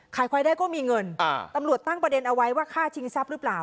ควายได้ก็มีเงินตำรวจตั้งประเด็นเอาไว้ว่าฆ่าชิงทรัพย์หรือเปล่า